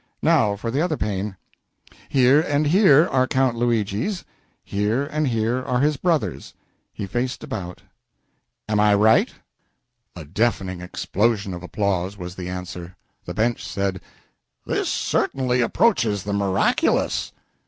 Now for the other pane: here and here are Count Luigi's, here and here are his brother's." He faced about. "Am I right?" A deafening explosion of applause was the answer. The Bench said "This certainly approaches the miraculous!"